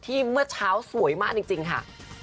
เมื่อเช้าสวยมากจริงค่ะ